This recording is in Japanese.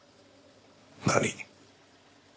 何？